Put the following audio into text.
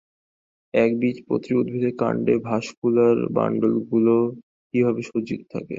একবীজপত্রী উদ্ভিদের কাণ্ডে ভাস্কুলার বান্ডলগুলো কিভাবে সজ্জিত থাকে?